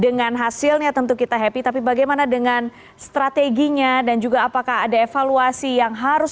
dengan hasilnya tentu kita happy tapi bagaimana dengan strateginya dan juga apakah ada evaluasi yang harus